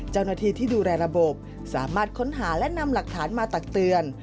เจ้าหน้าที่ที่ดูแลระบบสามารถค้นหาและนำหลักฐานมาตักเตือน